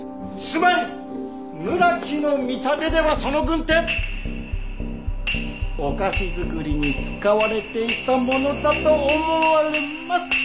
つまり村木の見立てではその軍手お菓子作りに使われていたものだと思われます！